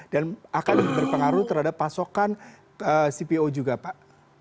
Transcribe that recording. dan akan berpengaruh terhadap pasokan cpo juga pak